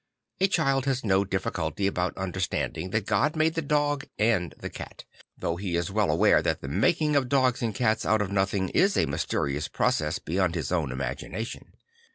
A child has no difficulty about understanding that God made the dog and the cat; though he is well aware that the making of dogs and cats out of nothing is a mysterious process beyond his own imagination.